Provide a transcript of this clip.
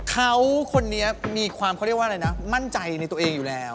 เขาคนนี้มีความเขาเรียกว่าอะไรนะมั่นใจในตัวเองอยู่แล้ว